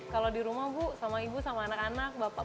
kalau di rumah ibu sama anak anak bapak